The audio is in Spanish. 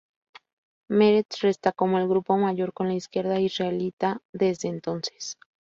Meretz resta como el grupo mayor en la izquierda israelita desde entonces.